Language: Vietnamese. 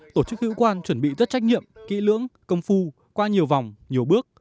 tổ chức hữu quan chuẩn bị rất trách nhiệm kỹ lưỡng công phu qua nhiều vòng nhiều bước